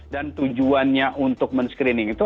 dan tujuannya untuk men screening itu